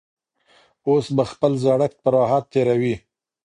اوس به خپل زړښت په راحت تېروي.